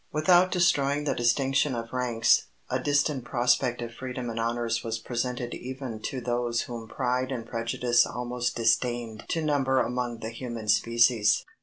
Without destroying the distinction of ranks, a distant prospect of freedom and honors was presented even to those whom pride and prejudice almost disdained to number among the human species.